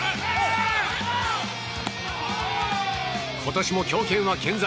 今年も強肩は健在。